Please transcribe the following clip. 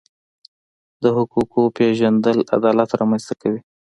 د حقونو پیژندل عدالت رامنځته کوي.